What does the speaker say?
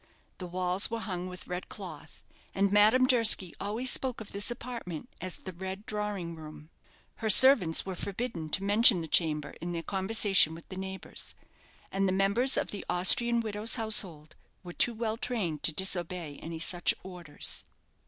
The walls were hung with red cloth, and Madame Durski always spoke of this apartment as the Red Drawing room. Her servants were forbidden to mention the chamber in their conversation with the neighbours, and the members of the Austrian widow's household were too well trained to disobey any such orders.